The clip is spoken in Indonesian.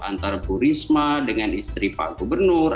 antara bu risma dengan istri pak gubernur